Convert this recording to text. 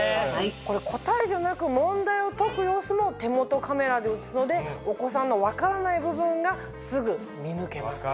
これ答えじゃなく問題を解く様子も手元カメラで映すのでお子さんの分からない部分がすぐ見抜けます。